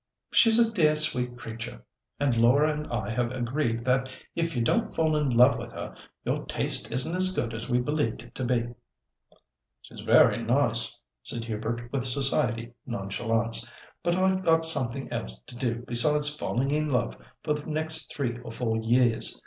"She's a dear, sweet creature, and Laura and I have agreed that if you don't fall in love with her, your taste isn't as good as we believed it to be." "She's very nice," said Hubert, with society nonchalance; "but I've got something else to do besides falling in love for the next three or four years.